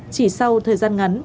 chỉ sau thời gian ngắn